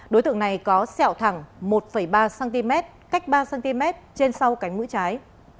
đối tượng này có sẹo thẳng một ba cm cách ba cm trên sau cánh mũi trái